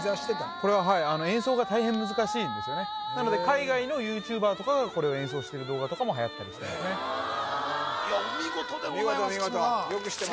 これは演奏が大変難しいんですねなので海外のＹｏｕＴｕｂｅｒとかがこれを演奏してる動画とかもはやったりしてますねお見事でございます木嶋さん